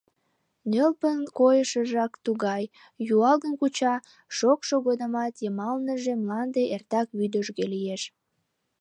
Нӧлпын койышыжак тугай: юалгым куча, шокшо годымат йымалныже мланде эртак вӱдыжгӧ лиеш.